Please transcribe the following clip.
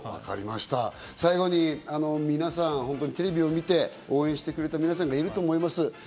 最後に皆さん、テレビを見て応援してくれた皆さんがいると思います。